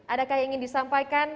adakah yang ingin disampaikan